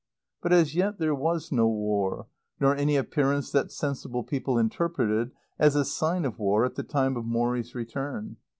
But as yet there was no war, nor any appearance that sensible people interpreted as a sign of war at the time of Morrie's return.